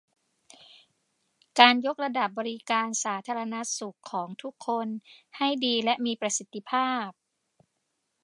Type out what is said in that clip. การยกระดับบริการสาธารณสุขของทุกคนให้ดีและมีประสิทธิภาพ